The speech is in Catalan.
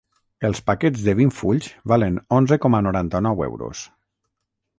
Els paquets de vint fulls valen onze coma noranta-nou euros.